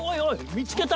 見つけた！